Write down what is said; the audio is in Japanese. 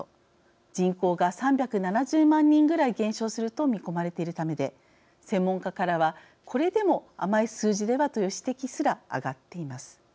人口が３７０万人ぐらい減少すると見込まれているためで専門家からはこれでも甘い数字ではという指摘すら挙がっています。